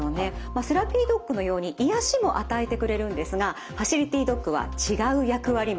セラピードッグのように癒やしも与えてくれるんですがファシリティドッグは違う役割もあるんです。